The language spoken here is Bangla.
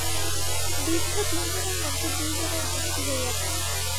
বৃদ্ধ তিনজনের মধ্যে দুজনের মৃত্যু হইয়াছে।